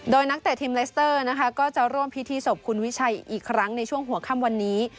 โดยนักเตะทีมเลสเตอร์นะคะก็จะร่วมพิธีศพคุณวิชัยอีกครั้งในช่วงหัวค่ำวันนี้